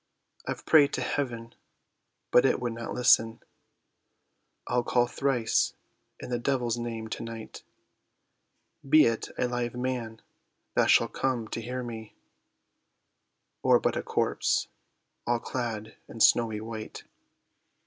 I've prayed to heaven, but it would not listen, I'll call thrice in the devil's name to night, Be it a live man that shall come to hear me, Or but a corpse, all clad in snowy white.